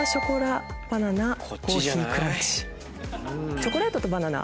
チョコレートとバナナ。